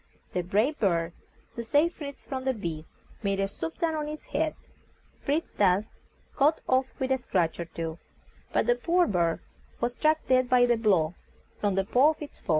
The brave bird, to save Fritz from the beast, made a swoop down on its head. Fritz thus got off with a scratch or two, but the poor bird was struck dead by a blow from the paw of its foe.